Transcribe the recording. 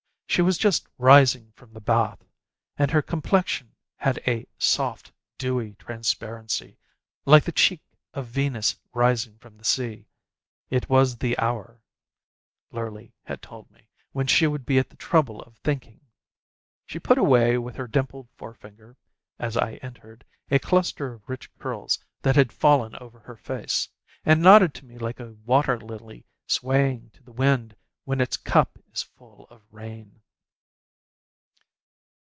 She was just from the bath, and her complexion had a soft, dewy transparency, like the cheek of Venus rising from the sea. It was the hour, Lurly had told me, when she would be at the trouble of thinking. She put away with her dimpled forefinger, as I entered, a cluster of rich curls that had fallen over her face, and nodded to me like a water lily swaying to the wind when its cup is full of rain.